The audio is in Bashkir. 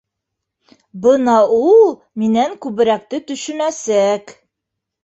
- Бына ул минән күберәкте төшөнәсәк.